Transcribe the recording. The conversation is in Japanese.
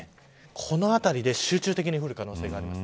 この辺りで集中的に降る可能性があります。